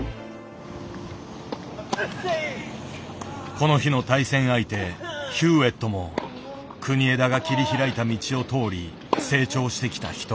この日の対戦相手ヒューウェットも国枝が切り開いた道を通り成長してきた一人。